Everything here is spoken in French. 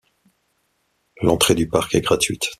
L'entrée du parc est gratuite.